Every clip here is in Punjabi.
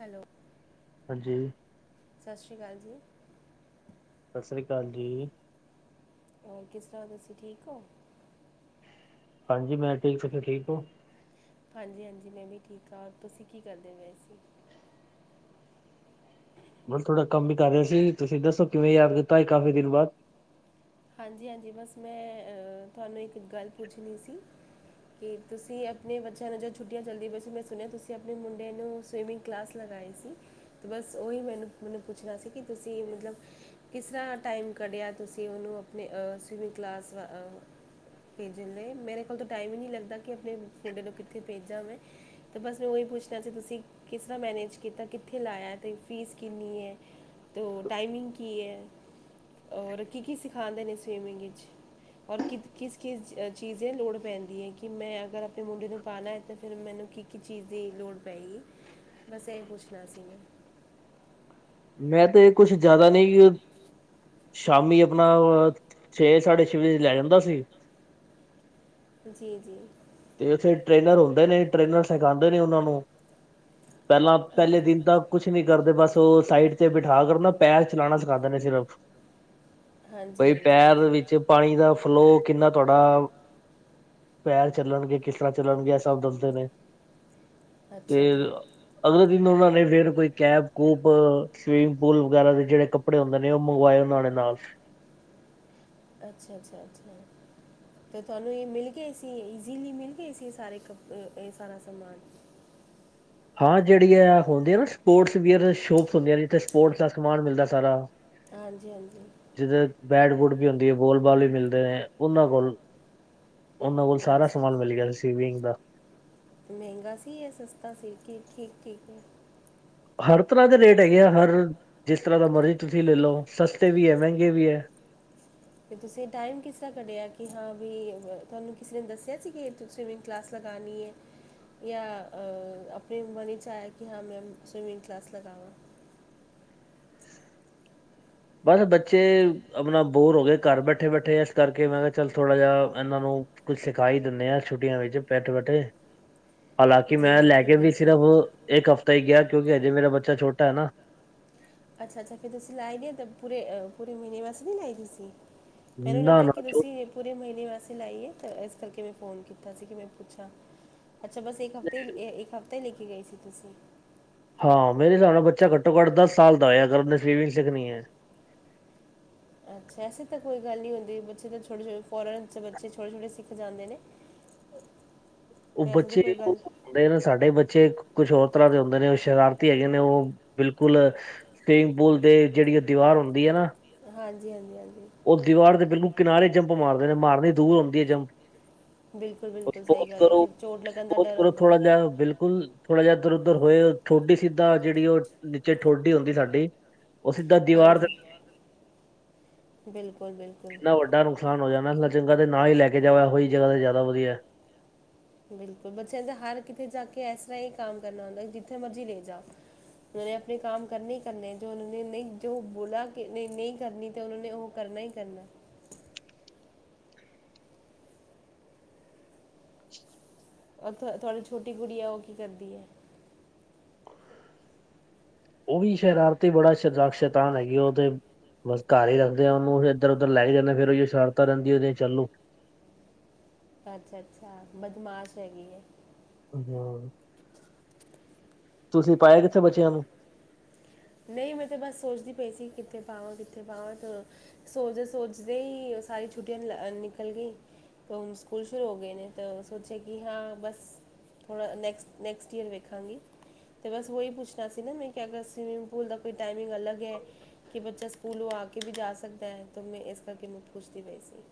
ਹੈਲੋ। ਹਾਂਜੀ। ਸਤਿ ਸ਼੍ਰੀ ਅਕਾਲ ਜੀ। ਸਤਿ ਸ੍ਰੀ ਅਕਾਲ ਜੀ। ਹੋਰ, ਕਿਸ ਤਰ੍ਹਾਂ ਤੁਸੀਂ ਠੀਕ ਹੋ? ਹਾਂਜੀ ਮੈਂ ਠੀਕ, ਤੁਸੀਂ ਠੀਕ ਹੋ? ਹਾਂਜੀ ਹਾਂਜੀ, ਮੈਂ ਵੀ ਠੀਕ ਆਂ ਤੁਸੀਂ ਕੀ ਕਰਦੇ ਪਏ ਸੀ? ਬਸ ਥੋੜਾ ਕੰਮ ਈ ਕਰ ਰਿਆ ਸੀ। ਤੁਸੀਂ ਦੱਸੋ, ਕਿਵੇਂ ਯਾਦ ਕੀਤਾ ਅੱਜ ਕਾਫ਼ੀ ਦਿਨ ਬਾਦ? ਹਾਂਜੀ ਹਾਂਜੀ, ਬਸ ਮੈਂ ਅ ਤੁਹਾਨੂੰ ਇੱਕ ਗੱਲ ਪੁੱਛਣੀ ਸੀ। ਕਿ ਤੁਸੀਂ ਅਪਣੇਂ ਬੱਚਿਆਂ ਨੂੰ ਜਦ ਛੁੱਟੀਆਂ ਚੱਲਦੀ ਪਈ ਸੀ ਮੈਂ ਸੁਣਿਆ ਤੁਸੀਂ ਅਪਣੇ ਮੁੰਡੇ ਨੂੰ ਸਵੀਮਿੰਗ ਕਲਾਸ ਲਗਾਈ ਸੀ ਤੇ ਬਸ ਓਹੀ ਮੈਨੂੰ ਮੈਨੂੰ ਪੁੱਛਣਾ ਸੀ ਕਿ ਤੁਸੀਂ ਮਤਲਬ ਕਿਸ ਤਰ੍ਹਾਂ ਟਾਈਮ ਕੱਢਿਆ ਤੁਸੀਂ ਔਨੂੰ ਅਪਣੇ ਸਵੀਮਿੰਗ ਕਲਾਸ ਵਾ ਭੇਜਣ ਲਈ ਮੇਰੇ ਕੋਲ ਤੋ ਟਾਈਮ ਹੀ ਨੀ ਲੱਗਦਾ ਕਿ ਅਪਣੇ ਮੁੰਡੇ ਨੂੰ ਕਿੱਥੇ ਭੇਜਾਂ ਮੈਂ। ਤੇ ਬਸ ਮੈਂ ਓਹੀ ਪੁੱਛਣਾ ਸੀ ਤੁਸੀਂ ਕਿਸ ਤਰ੍ਹਾਂ ਮੈਨੇਜ ਕੀਤਾ ਕਿੱਥੇ ਲਾਇਆ ਤੇ ਫੀਸ ਕਿੰਨੀ ਏ? ਤੋ ਉਹ ਟਾਈਮਿੰਗ ਕੀ ਐ, ਹੋਰ ਕੀ-ਕੀ ਸਿਖਾਦੇ ਨੇ ਸਵੀਮਿੰਗ ਇਚ? ਔਰ ਕਿਤ ਕਿਸ-ਕਿਸ ਚੀਜ ਦੀ ਲੋੜ ਪੈਂਦੀ ਐ, ਕਿ ਮੈਂ ਅਗਰ ਅਪਣੇ ਮੁੰਡੇ ਨੂੰ ਪਾਣੈ ਤੇ ਫੇਰ ਮੈਨੂੰ ਕੀ ਕੀ ਚੀਜ਼ ਦੀ ਲੋੜ ਪਏਗੀ, ਬਸ ਐਹੀ ਪੁੱਛਣਾ ਸੀ ਮੈਂ। ਮੈਂ ਤੇ ਕੁੱਛ ਜਿਆਦਾ ਨਹੀਂ ਔ ਸ਼ਾਮੀ ਅਪਣਾ ਅ ਛੇ-ਸਾਢੇ ਛੇ ਵਜੇ ਲੈ ਜਾਂਦਾ ਸੀ। ਜੀ, ਜੀ। ਤੇ ਉੱਥੇ ਟ੍ਰੇਨਰ ਹੁੰਦੇ ਨੇ ਟ੍ਰੇਨਰ ਸਿਖਾਦੇ ਨੇ ਔਨਾਂ ਨੂੰ ਪਹਿਲਾਂ ਪਹਿਲੇ ਦਿਨ ਤਾਂ ਕੁਛ ਨੀ ਕਰਦੇ ਬਸ ਓਹ ਸਾਈਡ ਤੇ ਬਿਠਾ ਕਰ ਨਾ ਪੈਰ ਚਲਾਣਾ ਸਿਖਾਂਦੇ ਨੇ ਸਿਰਫ। ਬਈ ਪੈਰ ਵਿੱ ਜੇ ਪਾਣੀ ਦਾ ਫਲੋ ਕਿੰਨਾ ਤੁਆਡਾ ਪੈਰ ਚੱਲਣਗੇ ਕਿਸ ਤਰ੍ਹਾਂ ਚੱਲਣਗੇ ਐ ਸਭ ਦਸਦੇ ਨੇ ਤੇ ਅਗਲੇ ਦਿਨ ਓਨਾਂ ਨੇ ਫੇਰ ਕੋਈ ਕੈਪ-ਕੂਪ ਸਵੀਮਿੰਗ ਪੂਲ ਵਗੈਰਾ ਦੇ ਜੇੜੇ ਕਪ ਕਪੜੇ ਹੁੰਦੇ ਨੇ ਓਹ ਮੰਗਵਾਏ ਉਨਾ ਨੇ ਨਾਲ। ਅੱਛਾ-ਅੱਛਾ, ਅੱਛਾ। ਤੇ ਤੁਹਾਨੂੰ ਇਹ ਮਿਲ ਗਏ ਸੀਂ ਈਜ਼ੀਲੀ ਮਿਲ ਗਏ ਸੀਂ ਏਹ ਸਾਰੇ ਕੱਪ ਏਹ ਸਾਰਾ ਸਮਾਨ। ਹਾਂ, ਜੇੜੀ ਐ ਹੁੰਦੀ ਏ ਨਾ ਸਪੋਰਟਸ ਵੀਅਰ ਸ਼ੋਪਸ ਹੁੰਦੀਆਂ ਜਿੱਥੇ ਸਪੋਰਟਸ ਦਾ ਸਮਾਨ ਮਿਲਦਾ ਸਾਰਾ। ਹਾਂਜੀ, ਹਾਂਜੀ। ਜਿੱਦਰ ਬੈਟ ਵੁੱਡ ਵੀ ਹੁੰਦੀ ਏ, ਬੋਲ-ਬਾਲ ਵੀ ਮਿਲਦੇ ਨੇ ਉਹਨਾਂ ਕੋਲ। ਉਹਨਾਂ ਕੋਲ ਸਾਰਾ ਸਮਾਨ ਮਿਲ ਗਿਆ ਸੀ। ਸੀਵਿੰਗ ਦਾ ਮਹਿੰਗਾ ਸੀ, ਯਾਂ ਸਸਤਾ ਸੀ, ਕੀ ਠੀਕ-ਠੀਕ ਹੈ? ਹਰ ਤਰ੍ਹਾਂ ਦੇ ਰੇਟ ਹੈਗੇ ਆ, ਹਰ ਜਿਸ ਤਰ੍ਹਾਂ ਦਾ ਮਰਜ਼ੀ ਤੁਸੀਂ ਲੈ ਲਓ। ਸਸਤੇ ਵੀ ਐ, ਮਹਿੰਗੇ ਵੀ ਐ। ਅਤੇ ਤੁਸੀਂ ਟਾਈਮ ਕਿਸ ਤਰ੍ਹਾਂ ਕੱਢਿਆ? ਕਿ ਹਾਂ ਵੀ ਤੁਹਾਨੂੰ ਕਿਸੇ ਨੇ ਦੱਸਿਆ ਸੀ, ਕਿ ਸਵੀਮਿੰਗ ਕਲਾਸ ਲਗਾਨੀ ਐ? ਜਾਂ ਆਪਣੀ ਮਨ ਚ' ਵਿੱਚ ਆਇਆ, ਕਿ ਹਾਂ ਮੈ ਸਵੀਮਿੰਗ ਕਲਾਸ ਲਗਾਵਾਂ। ਬਸ, ਬੱਚੇ ਆਪਣਾ ਬੋਰ ਹੋ ਗਏ, ਘਰ ਬੈਠੇ-ਬੈਠੇ ਇਸ ਕਰਕੇ ਮੈਂ ਕਿਹਾ ਚੱਲ, ਥੋੜਾ ਜਿਹਾ ਇਹਨਾਂ ਨੂੰ ਕੁਝ ਸਿਖਾਾਈ ਦਿੰਦੇ ਆ, ਛੁੱਟੀਆਂ ਵਿੱਚ ਬੈਠੇ ਬੈਠੇ। ਹਾਲਾਂਕਿ, ਮੈਂ ਲੈ ਕੇ ਵੀ ਸਿਰਫ ਇੱਕ ਹਫ਼ਤਾ ਹੀ ਗਿਆ। ਕਿਉਂਕਿ ਹਜੇ ਮੇਰਾ ਬੱਚਾ ਛੋਟਾ ਹੈ ਨਾ! ਅੱਛਾ-ਅੱਛਾ, ਫੇਿਰ ਤੁਸੀਂ ਲਾਏ ਨੇ ਤਾਂ ਪੂਰ, ਪੂਰੇ ਮਹੀਨੇ ਵਾਸਤੇ ਨਹੀਂ, ਲਏ ਤੁਸੀਂ ਮੈਨੂੰ ਲੱਗਿਆ ਕਿ ਤੁਸੀਂ ਪੂਰੇ ਮਹੀਨੇ ਵੈਸੇ ਲਾਈ ਐ, ਤਾਂ ਇਸ ਕਰਕੇ ਮੈਂ ਫੋਨ ਕੀਤਾ ਸੀ ਕਿ ਮੈਂ ਪੁੱਛਾਂ? ਅੱਛਾ। ਬਸ ਇੱਕ ਹਫ਼ਤੇ, ਇੱਕ ਹਫ਼ਤਾ ਹੀ ਲੈ ਕੇ ਗਏ ਸੀ। ਤੁਸੀ? ਹਾਂ, ਮੇਰੇ ਹਿਸਾਬ ਨਾਲ ਬੱਚਾ ਘੱਟੋ-ਘੱਟ ਦਸ ਸਾਲ ਦਾ ਹੋਏ ਅਗਰ ਉਹਨੇ ਸਵੀਮਿੰਗ ਸਿੱਖਣੀ ਐ। ਅੱਛਾ। ਐਸੇ ਤਾਂ ਕੋਈ ਗੱਲ ਨਹੀਂ ਹੁੰਦੀ, ਬੱਚੇ ਤਾਂ ਛੋਟੇ-ਛਟੇ ਫੋਰਨ ਚ' ਬੱਚੇ ਛੋਟੇ-ਛੋਟੇ ਸਿੱਖ ਜਾਂਦੇ ਨੇ। ਉਹ ਬੱਚੇ ਵੇਖੋ ਹੁੰਦੇ ਨੇ, ਸਾਡੇ ਬੱਚੇ ਕੁਛ ਹੋਰ ਤਰ੍ਹਾਂ ਦੇ ਹੁੰਦੇ ਨੇ। ਉਹ ਸ਼ਰਾਰਤੀ ਹੈਗੇ ਨੇ, ਉਹ ਬਿਲਕੁਲ ਕਈ ਬੋਲਦੇ ਜਿਹੜੀ ਉਹ ਦੀਵਾਰ ਹੁੰਦੀ ਹੈ, ਨਾ? ਹਾਂਜੀ-ਹਾਂਜੀ, ਹਾਂਜੀ। ਉਹ ਦੀਵਾਰ ਦੇ ਬਿਲਕੁਲ ਕਿਨਾਰੇ ਜੰਪ ਮਾਰਦੇ ਨੇ, ਮਾਰਨੀ ਦੂਰ ਹੁੰਦੀ ਹੈ ਜੰਪ ਬਹੁਤ ਕਰੋ, ਥੋੜਾ ਬਹੁਤ ਕਰੋ, ਥੋੜਾ ਜਿਹਾ ਬਿਲਕੁਲ ਬਿਲਕੁਲ ਥੋੜ੍ਹਾ ਜਿ ਇਧਰ ਉਧਰ ਹੋਇਆਂ, ਠੋਡੀ ਸਿੱਧਾਂ ਜਿਹੜੀ ਉਹ ਨੀਚੇ ਠੋਡੀ ਹੁੰਦੀ ਸਾਡੀ। ਹਾਂਜੀ। ਬਿਲਕੁਲ-ਬਿਲਕੁਲ ਵੱਡਾ ਨੁਕਸਾਨ ਹੋ ਜਾਣਾ, ਇਸ ਤੋਂ ਚੰਗਾ ਤੇ ਨਾ ਹੀ ਲੈ ਕੇ ਜਾਵੇ ਉਹੀ ਜਗ੍ਹਾ ਤੇ ਜ਼ਿਆਦਾ ਵਧੀਆ। ਬਿਲਕੁਲ ਬੱਚਿਆਂ ਦੇ ਹਰ ਕਿਤੇ ਜਾ ਕੇ ਇਸ ਤਰ੍ਹਾਂ ਹੀ ਕੰਮ ਕਰਨਾ ਹੁੰਦਾ, ਜਿੱਥੇ ਮਰਜ਼ੀ ਲੈ ਜਾਓ। ਉਹ ਨੇ ਆਪਣੇ ਕੰਮ ਕਰਨ ਹੀ ਕਰਨੇ, ਜੋ ਉਹ ਨੇ ਨਹੀਂ ਜੋ ਬੋਲਾ ਕਿ ਨਹੀਂ ਕਰਨੀ ਤੇ ਉਹ ਨੇ ਉਹ ਕਰਨਾ, ਹੀ ਕਰਨਾ। ਤੁਹਾਡੀ ਛੋਟੀ ਕੁੜੀ ਹੈ, ਉਹ ਕੀ ਕਰਦੀ ਹੈ? ਉਹ ਵੀ ਸ਼ਰਾਰਤੀ, ਬੜਾ ਸ਼ਕਸ਼ੈਤਾਨ ਹੈਗੀ। ਉਹ ਤੇ ਬਸ ਘਰ ਹੀ ਰੱਖਦੇ ਆ, ਉਹਨੂੰ ਇੱਧਰ ਉੱਧਰ ਲੈ ਕੇ ਹੀ ਨੀ ਜਾਂਦੇ ਫੇਰ ਸ਼ਰਾਰਤਾਂ ਰਿੰਦੀਆਂ ੳਹਦੀਆਂ ਚਾਲੂ ਅੱਛਾ-ਅੱਛਾ, ਬਦਮਾਸ਼ ਹੈਗੀ ਐਂ। ਹਮ। ਤੁਸੀਂ ਪਾਇਆ ਕਿੱਥੇ ਬੱਚਿਆਂ ਨੂੰ? ਨਹੀਂ, ਮੈਂ ਤਾਂ ਬਸ ਸੋਚਦੀ ਪਈ ਸੀ ਕਿੱਥੇ, ਪਾਵਾਂ ਕਿੱਥੇ ਪਾਵਾਂ? ਸੋਚਦੇ- ਸੋਚਦੇ ਹੀ ਸਾਰੀੀਆਂ ਛੁੱਟੀਆਂ ਨਿਕਲ ਗਈ। ਹੁਣ ਸਕੂਲ ਸ਼ੁਰੂ ਹੋ ਗਏ ਨੇ, ਤਾਂ ਸੋਚਿਆ ਕਿ ਹਾਂ ਬਸ ਥੋੜ੍ਹਾ ਨੈਕਸਟ, ਨੈਕਸਟ ਈਅਰ ਵੇਖਾਂਗੀ। ਅਤੇ ਬਸ ਉਹੀ ਪੁੱਛਣਾ ਸੀ ਨਾ ਮੈਂ ਕਿ ਅਗਰ ਅਸੀਂ ਸਕੂਲ ਦਾ ਕੋਈ ਟਾਈਮੀਿੰਗ ਅੱਲਗ ਐ। ਕਿ ਬੱਚਾ ਸਕੂਲੋਂ ਆ ਕੇ ਵੀ ਜਾ ਸਕਦਾ ਹੈ, ਤਾਂ ਮੈਂ ਇਸ ਕਰਕੇ ਮੈਂ ਪੁੱਛਦੀ ਪਈ ਸੀ।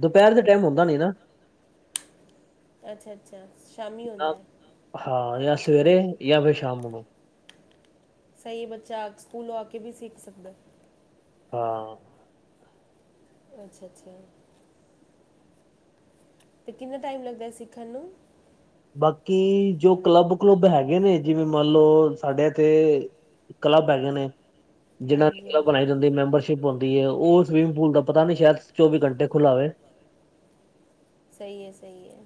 ਦੁਪਹਿਰ ਦੇ ਟਾਈਮ ਹੁੰਦਾ ਨੀ ਨਾ। ਅੱਛਾ-ਅੱਛਾ। ਨਾ ਹਾਂ, ਜਾਂ ਸਵੇਰੇ ਜਾਂ ਫਿਰ ਸ਼ਾਮ ਨੂੰ। ਸਹੀ, ਬੱਚਾ ਸਕੂਲੋਂ ਆ ਕੇ ਵੀ ਸਿੱਖ ਸਕਦਾ। ਹਾਂ। ਅੱਛਾ-ਅੱਛਾ ਤੇ ਕਿੰਨਾ ਟਾਈਮ ਲੱਗਦਾ ਸਿੱਖਣ ਨੂੰ? ਬਾਕੀ ਜੋ ਕਲੱਬ-ਕਲੁੱਬ ਹੈਗੇ ਨੇ, ਜਿਵੇਂ ਮੰਨ ਲਓ ਸਾਡੇ ਇੱਥੇ ਕਲੱਬ ਹੈਗੇ ਨੇ, ਜਿਹਨ੍ਹਾਂ ਚ ਕਲੱਬ ਬਣਾਈ ਜਾਂਦੀ ਮੈਂਬਰਸ਼ਿਪ ਪਾਉਦੀ ਹੈ, ਉਹ ਸਵੀਮਿੰਗਪੂਲ ਪਤਾ ਨੀ ਸ਼ਾਇਦ ਚੌਵੀ ਘੰਟੇ ਖੁੱਲਾ ਹੋਵੇ। ਸਹੀ ਐ, ਸਹੀ ਐ।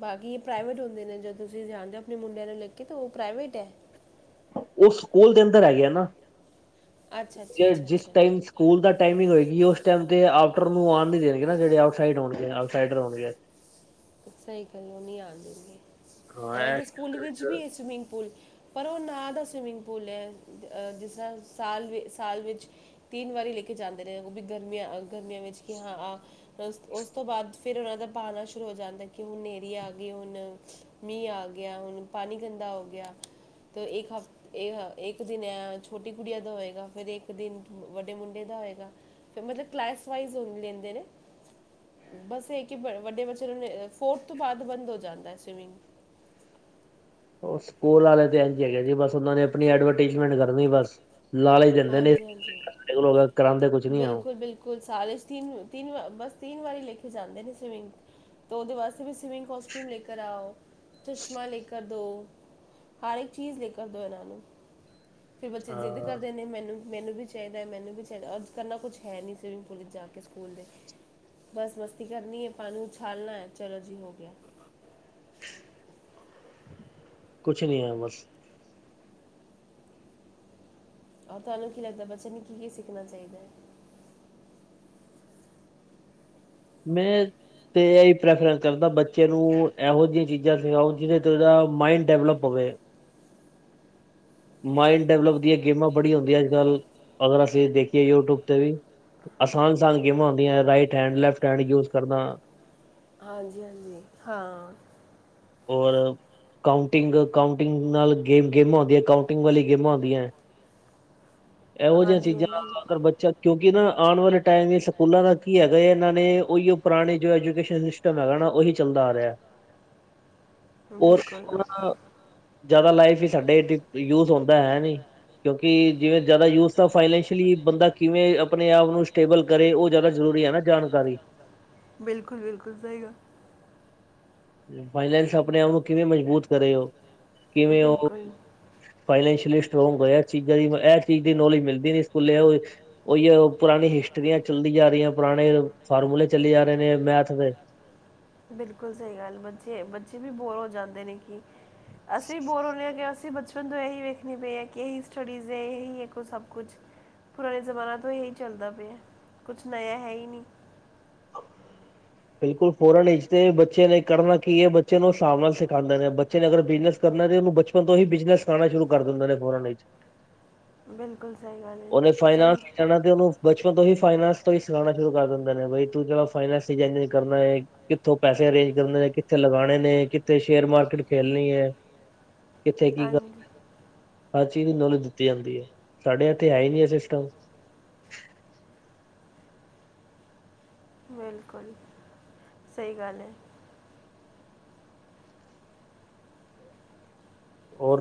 ਬਾਕੀ ਇਹ ਪ੍ਰਾਈਵੇਟ ਹੁੰਦੇ ਨੇ, ਜਦੋਂ ਤੁਸੀਂ ਜਾਣਦੇ ਹੋ ਆਪਣੇ ਮੁੰਡਿਆਂ ਨੂੰ ਲੈ ਕੇ ਤਾਂ ਉਹ ਪ੍ਰਾਈਵੇਟ ਐ। ਉਹ ਸਕੂਲ ਦੇ ਅੰਦਰ ਹੈਗੇ ਨਾ ਜਿਸ ਟਾਈਮ ਸਕੂਲ ਦਾ ਟਾਈਮਿੰਗ ਹੋਏਗੀ ਉਸ ਟਾਈਮ ਤੇ ਆਉਟਰ ਨੂੰ ਆਨ ਨੀ ਦੇਣਗੇ ਨਾ ਜਿਹੜੇ ਆਉਟ ਸਾਈਡਰ ਹੋਣਗੇ ਆਊਟਸਾਈਡਰ ਹੋਣਗੇ। ਸਹੀ ਕਹਿ ਰਹੇ ਉਹ ਨਹੀਂ ਆਉਣ ਦੇਣਗੇ ਐਨਾ ਦੇ ਸਕੂਲ ਵਿੱਚ ਵੀ ਇਹ ਸਵਿਮਿੰਗ ਪੂਲ ਪਰ ਉਹ ਨਾਂ ਦਾ ਸਵੀਮਿੰਗ ਪੂਲ ਹੈ ਜਿਸ ਤਰ੍ਹਾਂ ਸਾਲ ਸਾਲ ਵਿੱਚ ਤਿੰਨ ਵਾਰੀ ਲੈ ਕੇ ਜਾਂਦੇ ਨੇਹੇ ਉਹ ਵੀ ਗਰਮੀਆਂ ਗਰਮੀਆਂ ਵਿੱਚ ਕਿ ਹਾਂ ਆ ਦਸ ਉਸ ਤੋਂ ਬਾਅਦ ਫਿਰ ਉਹਨਾਂ ਦਾ ਬਾਰਿਸ਼ ਦਾ ਹੋ ਜਾਂਦਾ ਕਿ ਹੁਣ ਹਨੇਰੀ ਆ ਗਈ ਹੁਣ ਮੀਂਹ ਆ ਗਿਆ ਹੁਣ ਪਾਣੀ ਗੰਦਾ ਹੋ ਗਿਆ। ਤ ਇੱਕ ਹਫ ਇਹ ਇੱਕ ਦਿਨ ਛੋਟੀ ਕੁੜੀਆਂ ਦਾ ਹੋਏਗਾ ਫੇਰ ਇੱਕ ਦਿਨ ਵੱਡੇ ਮੁੰਡੇ ਦਾ ਹੋਏਗਾ। ਤੇ ਮਤਲਬ ਕਲਾਸ ਵਾਈਜ਼ ਲੈਂਦੇ ਨੇ ਬਸ ਇਹ ਕਿ ਵੱਡੇ ਬੱਚੇ ਫੇਰ ਫੋਰਥ ਤੋਂ ਬਾਅਦ ਬੰਦ ਹੋ ਜਾਂਦਾ ਸਵੀਮਿੰਗ ਉਹ ਸਕੂਲ ਵਾਲੇ ਤੇ ਇੰਜ ਹੈਗੇ ਜੀ ਬਸ ਉਹਨਾਂ ਨੇ ਆਪਣੀ ਐਡਵਰਟੀਜਮੈਂਟ ਕਰਨੀ ਬਸ। ਲਾਲਚ ਦਿੰਦੇ ਨੇ ਸਾਡੇ ਕੋਲ ਬਿਲਕੁਲ ਬਿਲਕੁਲ ਸਾਲ ਵਿਚ ਤਿੰਨ ਬਸ ਤਿੰਨ ਵਾਰੀ ਲੈਕੇ ਜਾਂਦੇ ਨੇ ਸਵਿਮਿੰਗ ਤਾਂ ਉਹਦੇ ਵਾਸਤੇ ਵੀ ਸਵੀਮਿੰਗ ਕੋਸਟੀਊਮ ਲੈ ਕਰ ਆਉ ਚਸ਼ਮਾ ਲੈ ਕਰ ਦਉ। ਹਰ ਇੱਕ ਚੀਜ਼ ਲੈ ਕਰ ਦਿਉ ਇਹਨਾਂ ਨੂੰ ਫਿਰ ਬੱਚੇ ਜ਼ਿੱਦ ਕਰਦੇ ਨੇ ਮੈਨੂੰ ਮੈਨੂੰ ਵੀ ਚਾਹੀਦਾ ਹੈ ਮੈਨੂੰ ਵੀ ਚਾਹੀਦਾ ਔਰ ਕਰਨਾ ਕੁਛ ਹੈ ਨਹੀਂ ਸਵੀਮਿੰਗ ਪੂਲ ਵਿੱਚ ਜਾ ਕੇ ਸਕੂਲ ਦੇ। ਬਸ ਮਸਤੀ ਕਰਨੀ ਹੈ ਪਾਣੀ ਉਛਾਲਣਾ ਹੈ ਚਲੋ ਜੀ ਹੋ ਗਿਆ। [inaudible] ਕੁਛ ਨੀ ਹੈ ਬਸ। ਔਰ ਤੁਹਾਨੂੰ ਕੀ ਲੱਗਦਾ ਬੱਚੇ ਨੇ ਕੀ ਕੀ ਸਿੱਖਣਾ ਚਾਹੀਦਾ ਹੈ? ਮੈਂ ਤੇ ਇਹੀ ਪ੍ਰੈਫਰੈਂਸ ਕਰਦਾ ਬੱਚੇ ਨੂੰ ਇਹੋ ਜਿਹੀਆਂ ਚੀਜ਼ਾਂ ਸਿਖਾਉ ਜਿਹਦੇ ਚ ਉਹਦਾ ਮਾਇੰਡ ਡਿਵੈਲਪ ਹੋਵੇ। ਮਾਇੰਡ ਡਿਵਲਪ ਦੀਆਂ ਗੇਮਾਂ ਬੜੀਆਂ ਹੁੰਦੀਆਂ ਅਜ ਕੱਲ ਅਗਰ ਅਸੀਂ ਦੇਖੀਏ ਯੂਟਿਊਬ ਤੇ ਵੀ। ਆਸਾਨ ਆਸਾਨ ਗੇਮਾਂ ਹੁੰਦੀਆਂ right hand left hand use ਕਰਨਾ। ਹਾਂਜੀ ਹਾਂਜੀ ਹਾਂ। ਔਰ ਕਾਉਂਟਿੰਗ ਕਾਉਂਟਿੰਗ ਨਾਲ ਗੇਮ ਗੇਮਾਂ ਹੁੰਦੀ ਹੈ ਕਾਉਂਟਿੰਗ ਵਾਲੀ ਗੇਮਾਂ ਹੁੰਂਦੀਆਂ ਹੈ। ਇਹੋ ਜਿਹੀਆਂ ਚੀਜ਼ਾਂ ਨਾਲ ਅਗਰ ਬੱਚਾ ਕਿਉਂਕਿ ਇਹ ਨਾ ਆਉਣ ਵਾਲੇ ਟਾਈਮ ਵਿੱਚ ਸਕੂਲਾਂ ਦਾ ਕੀ ਹੈਗਾ ਇਹਨਾਂ ਨੇ ਉਹੀ ਉਹ ਪੁਰਾਣੇ ਜੋ ਐਜੂਕੇਸ਼ਨ [inaudible] ਨਾ ਉਹੀ ਚੱਲਦਾ ਆ ਰਿਹਾ। [inaudible] ਔਰ ਉਹਨਾਂ ਦਾ ਜ਼ਿਆਦਾ ਲਾਈਫ ਹੀ ਸਾਡੇ ਇਥੇ ਯੂਜ ਹੁੰਦਾ ਹੈ ਨੀ ਕਿਉਂਕਿ ਜਿਵੇਂ ਜ਼ਿਆਦਾ ਯੂਥ ਤਾਂ ਫਾਈਨੈਂਸ਼ੀਅਲੀ ਬੰਦਾ ਕਿਵੇਂ ਆਪਣੇ ਆਪ ਨੂੰ ਸਟੇਬਲ ਕਰੇ ਉਹ ਜ਼ਿਆਦਾ ਜ਼ਰੂਰੀ ਹੈ ਨਾ ਜਾਣਕਾਰੀ। ਬਿਲਕੁਲ ਬਿਲਕੁਲ ਸਹੀ ਗੱਲ। ਫਾਈਨੈਂਸ ਆਪਣੇ ਆਪ ਨੂੰ ਕਿਵੇਂ ਮਜ਼ਬੂਤ ਕਰੇ ਉਹ ਕਿਵੇਂ ਉਹ ਫਾਈਨੈਂਸ਼ੀਅਲੀ ਸਟਰੋਂਗ ਹੋ ਚੀਜ਼ਾਂ ਦੀ ਇਹ ਚੀਜ਼ ਦੀ ਨੌਲੇਜ ਮਿਲਦੀ ਨਹੀ ਸਕੂਲੇ ਉਹ ਉਹੀਉ ਪੁਰਾਣੀ ਹਿਸਟਰੀਆਂ ਚੱਲੀ ਜਾ ਰਹੀਆਂ ਪੁਰਾਣੇ ਫਾਰਮੂਲੇ ਚੱਲੇ ਜਾ ਰਹੇ ਨੇ ਮੈਥ ਦੇ ਬਿਲਕੁਲ ਸਹੀ ਗੱਲ, ਬੱਚੇ, ਬੱਚੇ ਵੀ ਬੋਰ ਹੋ ਜਾਂਦੇ ਨੇ ਕਿ ਅਸੀਂ ਬੋਰ ਹੁੰਦੇ ਪੲਏ ਹਾਂ ਕਿ ਅਸੀਂ ਬੱਚੇ ਦ ਇਹੀ ਵੇਖਣੀ ਪਈ ਹੈ ਕਿ ਇਹੀ ਸਟੱਡੀਜ਼ ਹੈ ਇਹੀ ਹੈ ਕੁ ਸਭ ਕੁਛ ਪੁਰਾਣੇ ਜ਼ਮਾਨਾ ਤੋਂ ਇਹੀ ਚੱਲਦਾ ਪਿਆ, ਕੁਛ ਨਯਾ ਹੈ ਹੀ ਨਹੀਂ ਬਿਲਕੁਲ ਫੋਰਨ ਇਚ ਤੇ ਬੱਚੇ ਨੇ ਕਰਨਾ ਕੀ ਹੈ ਬੱਚੇ ਨੂੰ ਹਿਸਾਬ ਨਾਲ ਸਿਖਉਂਦੇ ਨੇ, ਬੱਚੇ ਨੇ ਅਗਰ ਬਿਜਨਸ ਕਰਨਾ ਤੇ ਉਹਨੂੰ ਬਚਪਨ ਤੋਂ ਹੀ ਬਿਜਨਸ ਸਿਖਾਣਾ ਸ਼ੁਰੂ ਕਰ ਦਿੰਦੇ ਨੇ ਫੋਰਨ ਵਿੱਚ ਬਿਲਕੁਲ ਸਹੀ ਗੱਲ ਹੈ, ਚੰ ਬਚਪਨ ਤੋਂ ਹੀ ਫਾਈਨਾਂਸ ਤੋਂ ਹੀ ਸਿਖਉਣਾ ਸ਼ੁਰੂ ਕਰ ਦਿੰਦੇ ਨੇ, ਬਈ ਤੂੰ ਚਲੋ ਫਾਈਨਾਂਸ ਕਰਨਾ ਹੈ ਕਿੱਥੋਂ ਪੈਸੇ ਅਰੇਂਜ ਕਰਨੇ ਨੇ, ਕਿੱਥੇ ਲਗਾਣੇ ਨੇ, ਕਿੱਥੇ ਸ਼ੇਅਰ ਮਾਰਕੀਟ ਖੇਲਣੀ ਹੈ ਕਿੱਥੇ ਕੀ ਕਰ, ਹਰ ਚੀਜ਼ ਦੀ ਨੌਲੇਜ ਦਿੱਤੀ ਜਾਂਦੀ ਹੈ, ਸਾਡੇ ਇੱਥੇ ਹੈ ਹੀ ਨਹੀਂ ਏ ਸਿਸਟਮ ਬਿਲਕੁਲ ਸਹੀ ਗੱਲ ਹੈ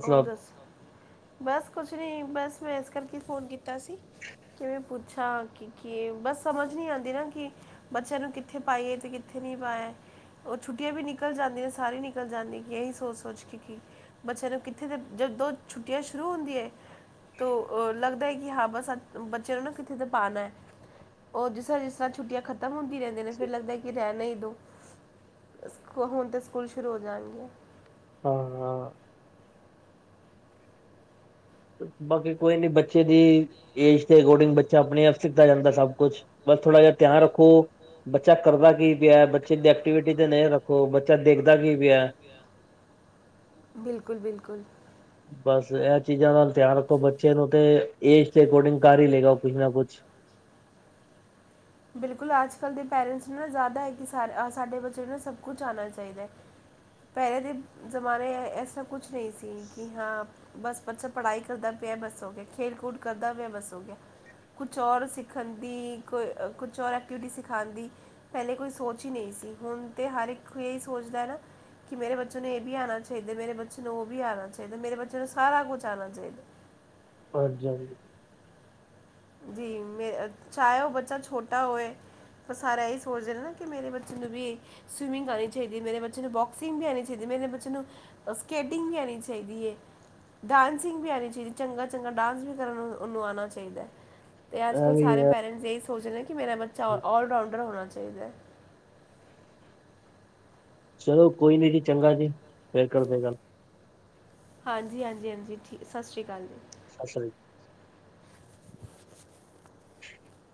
ਹੋਰ ਦੱਸ, ਬਸ ਕੁਛ ਨਹੀਂ, ਬਸ ਮੈਂ ਇਸ ਕਰਕੇ ਫੋਨ ਕੀਤਾ ਸੀ ਕਿਵੇਂ ਪੁੱਛਿਆ ਕਿ, ਕੀ ਬਸ ਸਮਝ ਨਹੀਂ ਆਉਂਦੀ ਨਾ ਕਿ ਬੱਚਿਆਂ ਨੂੰ ਕਿੱਥੇ ਪਾਈਏ ਤੇ ਕਿੱਥੇ ਨਹੀਂ ਪਾਇਆ ਉਹ ਛੁੱਟੀਆਂ ਵੀ ਨਿਕਲ ਜਾਂਦੀਆਂ, ਸਾਰੇ ਨਿਕਲ ਜਾਂਦੀਆਂ ਕਿ ਇਹੀ ਸੋਚ- ਸੋਚ ਕੇ, ਕਿ ਬੱਚਿਆਂ ਨੂੰ ਕਿੱਥੇ ਤਾਂ, ਜਦੋਂ ਛੁੱਟੀਆਂ ਸ਼ੁਰੂ ਹੁੰਦੀਆਂ ਤੋ ਲੱਗਦਾ ਹੈ ਕਿ ਹਾਂ ਬਸ ਬੱਚਿਆਂ ਨੂੰ ਨਾ ਕਿੱਥੇ ਤਾਂ ਪਾਉਣਾ ਹੈ ਉਹ ਜਿਸ ਤਰ੍ਹਾਂ, ਜਿਸ ਤਰ੍ਹਾਂ ਛੁੱਟੀਆਂ ਖ਼ਤਮ ਹੁੰਦੀ ਰਹਿੰਦੀਆਂ ਨੇ ਫਿਰ ਲੱਗਦਾ ਕਿ ਰਹਿਣਾ ਹੀ ਦੋ ਸਕ, ਹੁਣ ਤਾਂ ਸਕੂਲ ਸ਼ੁਰੂ ਹੋ ਜਾਣਗੇ ਹਾਂ ਹਾਂ ਬਾਕੀ ਕੋਈ ਨੀ ਬੱਚੇ ਦੀ ਏਜ ਦੇ ਅਕੋਰਡਿੰਗ ਬੱਚਾ ਆਪਣੇ ਆਪ ਸਿੱਖਦਾ ਜਾਂਦਾ ਸਭ ਕੁਛ, ਬਸ ਥੋੜ੍ਹਾ ਜਿਹਾ ਧਿਆਨ ਰੱਖੋ ਬੱਚਾ ਕਰਦਾ ਕੀ ਪਿਆ ਹੈ, ਬੱਚੇ ਦੀ ਐਕਟੀਵਿਟੀ ਤੇ ਨਜ਼ਰ ਰੱਖੋ, ਬੱਚਾ ਦੇਖਦਾ ਕੀ ਪਿਆ ਬਿਲਕੁਲ- ਬਿਲਕੁਲ ਬਸ ਇਹ ਚੀਜ਼ਾਂ ਨਾਲ ਧਿਆਨ ਰੱਖੋ, ਬੱਚੇ ਨੂੰ ਤੇ, ਏਜ ਦੇ ਅਕੋਰਡਿੰਗ ਕਰ ਹੀ ਲਏਗਾ ਕੁਛ ਨਾ ਕੁਛ ਬਿਲਕੁਲ, ਅੱਜ- ਕੱਲ੍ਹ ਦੇ ਪੇਰੈਂਟਸ ਨੂੰ ਨਾ ਜ਼ਿਆਦਾ ਹੈ ਕਿ ਸਾਡੇ ਬੱਚੇ ਨੂੰ ਸਭ ਕੁਛ ਆਉਣਾ ਚਾਹੀਦਾ ਹੈ ਪਹਿਲੇ ਦੇ ਜ਼ਮਾਨੇ, ਐਸਾ ਕੁਛ ਨਹੀਂ ਸੀ, ਕਿ ਹਾਂ ਬਸ ਬੱਚਾ ਪੜ੍ਹਾਈ ਕਰਦਾ ਪਿਆ, ਬਸ ਹੋ ਗਿਆ, ਖੇਡ ਕੂਦ ਕਰਦਾ ਪਿਆ, ਬਸ ਹੋ ਗਿਆ ਕੁਛ ਹੋਰ ਸਿੱਖਣ ਦੀ, ਕੋ ਕੁਛ ਹੋਰ ਐਕਟੀਵਿਟੀ ਸਿਖਾਣ ਦੀ ਪਹਿਲੇ ਕੋਈ ਸੋਚ ਹੀ ਨਹੀਂ ਸੀ, ਹੁਣ ਤਾਂ ਹਰ ਇੱਕ ਇਹੀ ਸੋਚਦਾ ਨਾ ਕਿ ਮੇਰੇ ਬੱਚੇ ਨੂੰ ਇਹ ਵੀ ਆਉਣਾ ਚਾਹੀਦਾ, ਮੇਰੇ ਬੱਚੇ ਨੂੰ ਉਹ ਵੀ ਆਉਣਾ ਚਾਹੀਦਾ, ਮੇਰੇ ਬੱਚੇ ਨੂੰ ਸਾਰਾ ਕੁਛ ਆਉਣਾ ਚਾਹੀਦਾ ਹਾਂਜੀ-ਹਾਂਜੀ ਜੀ ਮੇ, ਚਾਹੇ ਉਹ ਬੱਚਾ ਛੋਟਾ ਹੋਏ ਪਰ ਸਾਰੇ ਇਹੀ ਸੋਚਦੇ ਨੇ ਨਾ ਕਿ ਮੇਰੇ ਬੱਚੇ ਨੂੰ ਵੀ ਇਹ ਸਵਿਮਿੰਗ ਆਉਣੀ ਚਾਹੀਦੀ, ਮੇਰੇ ਬੱਚੇ ਨੂੰ ਬੋਕਸਿੰਗ ਵੀ ਆਉਣੀ ਚਾਹੀਦੀ, ਮੇਰੇ ਬੱਚੇ ਨੂੰ ਸਕੇਟਿੰਗ ਵੀ ਆਉਣੀ ਚਾਹੀਦੀ ਏ ਡਾਂਸਿੰਗ ਵੀ ਆਉਣੀ ਚਾਹੀਦੀ, ਚੰਗਾ -ਚੰਗਾ ਡਾਂਸ ਵੀ ਕਰਨਾ ਉਹਨੂੰ ਆਉਣਾ ਚਾਹੀਦਾ ਤੇ ਅੱਜ- ਕੱਲ ਸਾਰੇ ਪੇਰੈਂਟਸ ਇਹੀ ਸੋਚਦੇ ਕਿ ਮੇਰਾ ਬੱਚਾ ਆਲ ਰਾਊਂਡਰ ਹੋਣਾ ਚਾਹੀਦਾ ਚਲੋ ਕੋਈ ਨੀ ਜੀ ਚੰਗਾ ਜੀ, ਫੇਰ ਕਰਦੇ ਗੱਲ ਹਾਂਜੀ -ਹਾਂਜੀ -ਹਾਂਜੀ ਠੀ, ਸਤਿ ਸ਼੍ਰੀ ਅਕਾਲ ਜੀ ਅਸਲ [inaudible]